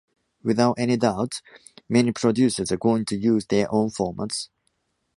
Without any doubt, many producers are going to use their own formats.